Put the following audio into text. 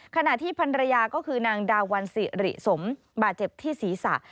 ขณะที่พันรยาก็คือนางดาวันสิริสมบาดเจ็บที่ศีรษะ